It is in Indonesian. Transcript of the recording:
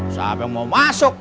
siapa yang mau masuk